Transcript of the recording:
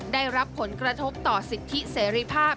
ได้รับผลกระทบต่อสิทธิเสรีภาพ